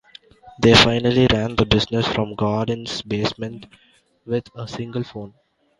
They initially ran the business from Godin's basement with a single phone.